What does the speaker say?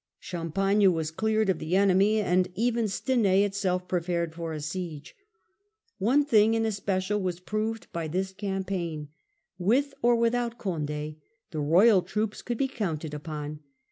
Champagne was cleared of the enemy, and even Stenai itself prepared for a siege. One thing Character * n es P ec * a ^ was P rove ^ by this campaign. With of the royal or without Cond£, the royal troops could be army * counted upon.